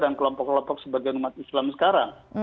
dan kelompok kelompok sebagai umat islam sekarang